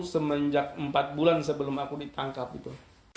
dua ribu dua puluh semenjak empat bulan sebelum aku ditangkap itu